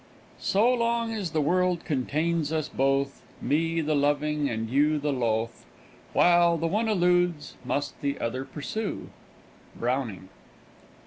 "So long as the world contains us both, Me the loving and you the loth, While the one eludes, must the other pursue." _Browning.